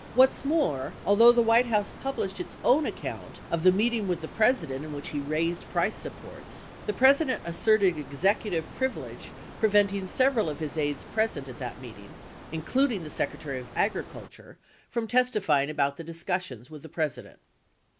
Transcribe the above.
What's more, although the White House published its own account of the meeting with the President in which he raised price supports, the President asserted executive privilege preventing several of his aides present at that meeting, including the Secretary of Agriculture, from testify ing about the discussions with the President.